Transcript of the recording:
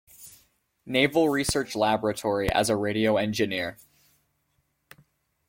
Naval Research Laboratory as a radio engineer.